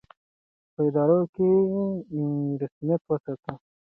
په ادارو کې یې رسمیت وساتو.